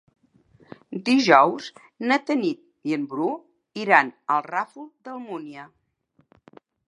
Dijous na Tanit i en Bru iran al Ràfol d'Almúnia.